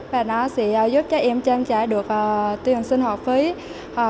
và nó sẽ giúp cho em trang trải được tiền sinh học phí